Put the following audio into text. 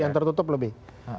yang tertutup lebih